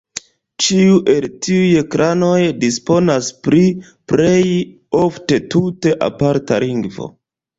Ĉiu el tiuj klanoj disponas pri plej ofte tute aparta lingvo.